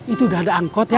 itu udah ada ongkos ya